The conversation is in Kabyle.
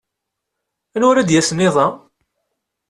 Anwa ara d-yasen iḍ-a?